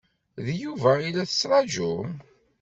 D Yuba i la tettṛaǧum?